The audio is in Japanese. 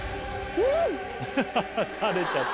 うん！